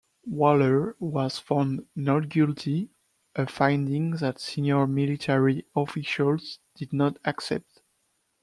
Waller was found not guilty, a finding that senior military officials did not accept.